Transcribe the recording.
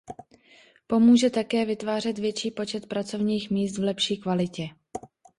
Pomůže také vytvářet větší počet pracovních míst v lepší kvalitě.